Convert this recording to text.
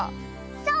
そう！